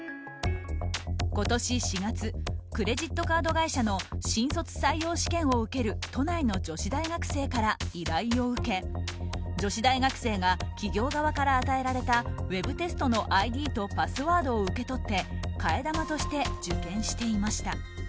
今年４月クレジットカード会社の新卒採用試験を受ける都内の女子大学生から依頼を受け女子大学生が企業側から与えられたウェブテストのＩＤとパスワードを受け取って替え玉として受験していました。